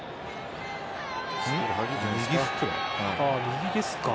右ですか。